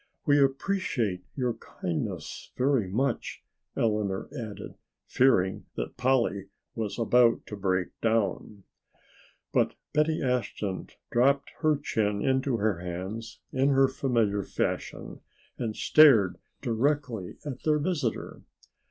"We appreciate your kindness very much," Eleanor added, fearing that Polly was about to break down. But Betty Ashton dropped her chin into her hands in her familiar fashion and stared directly at their visitor.